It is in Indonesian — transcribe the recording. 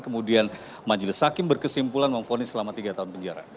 kemudian majelis hakim berkesimpulan memfonis selama tiga tahun penjara